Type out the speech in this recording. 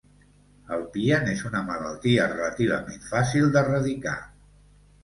El pian és una malaltia relativament fàcil d'erradicar.